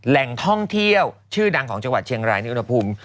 แหล่งท่องเที่ยวชื่อดังของจังหวัดเชียงรายในอุณหภูมิ